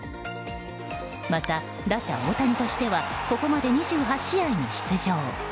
また打者・大谷としてはここまで２８試合に出場。